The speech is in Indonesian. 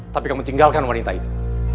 tapi kamu tinggalkan wanita itu